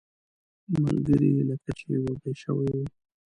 ملګري لکه چې وږي شوي وو.